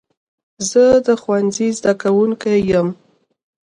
زه د ښوونځي زده کوونکی یم.